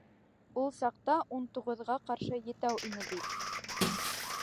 Ул саҡта ун туғыҙға ҡаршы етәү ине бит.